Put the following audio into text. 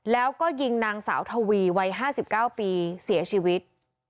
แล้วก็ยิงนางสาวทวีวัย๕๙ปีเสียชีวิต